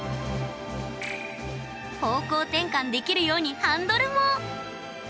方向転換できるようにハンドルも。